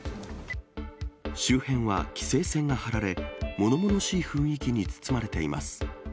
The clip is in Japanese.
周辺は規制線が張られ、ものものしい雰囲気に包まれています。